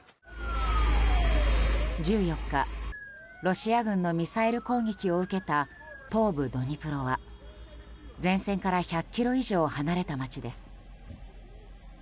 １４日、ロシア軍のミサイル攻撃を受けた東部ドニプロは前線から１００ｋｍ以上離れた街です。